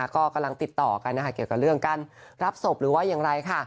ก็กำลังติดต่อกันนะคะเกี่ยวกับเรื่องการรับศพหรือว่าอย่างไรค่ะ